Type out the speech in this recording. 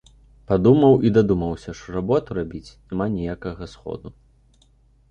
Падумаў і дадумаўся, што работу рабіць няма ніякага сходу.